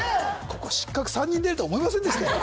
ここ失格３人出るとは思いませんでしたよ